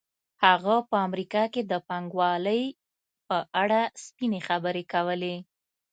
هغه په امریکا کې د پانګوالۍ په اړه سپینې خبرې کولې